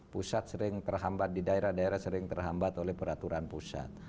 pusat sering terhambat di daerah daerah sering terhambat oleh peraturan pusat